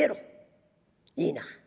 いいな。